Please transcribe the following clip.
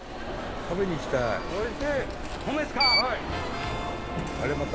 食べに行きたい。